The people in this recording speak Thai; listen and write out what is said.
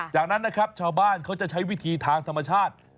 จากนั้นนะครับชาวบ้านเขาจะใช้วิธีทางธรรมชาติ